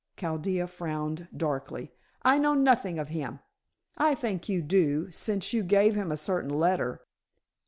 Chaldea frowned darkly. "I know nothing of him." "I think you do, since you gave him a certain letter."